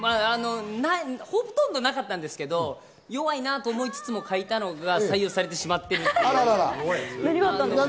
ほとんどなかったんですけれども、弱いなと思いつつ書いたのが採用されてしまっているという。